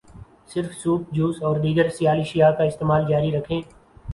صرف soup, juice, اور دیگر سیال اشیاء کا استعمال جاری رکھیں